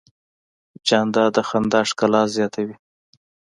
جانداد د خندا ښکلا زیاتوي.